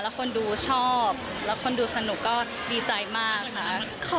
แล้วคนดูชอบแล้วคนดูสนุกก็ดีใจมากค่ะ